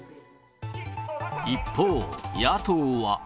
一方、野党は。